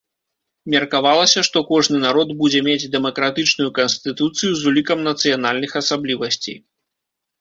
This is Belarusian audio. Меркавалася, што кожны народ будзе мець дэмакратычную канстытуцыю з улікам нацыянальных асаблівасцей.